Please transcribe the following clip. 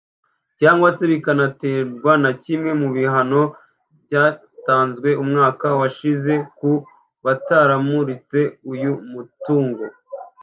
cyangwa se bikanaterwa na kimwe mu bihano byatanzwe mu mwaka ushize ku bataramuritse uyu mutungo